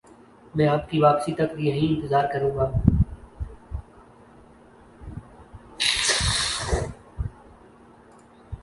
میں آپ کی واپسی تک یہیں انتظار کروں گا